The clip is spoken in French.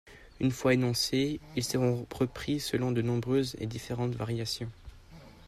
Une fois énoncés, ils seront repris selon de nombreuses et différentes variations.